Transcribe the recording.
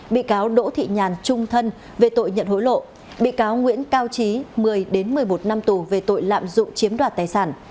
bị cáo đỗ thị nhàn trung thân về tội nhận hối lộ bị cáo nguyễn cao trí một mươi một mươi một năm tù về tội lạm dụng chiếm đoạt tài sản